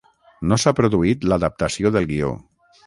No s'ha produït l'adaptació del guió.